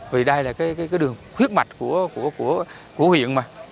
vì đây là cái đường huyết mạch của huyện mà